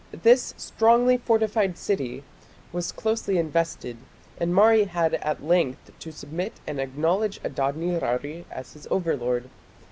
This strongly fortified city was closely invested, and Mari had at length to submit and acknowledge Adad nirari as his overlord.